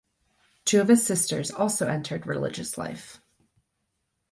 Two of his sisters also entered religious life.